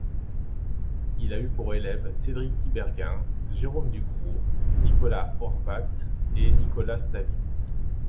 Il a eu pour élèves Cédric Tiberghien, Jérôme Ducros, Nicolas Horvath et Nicolas Stavy.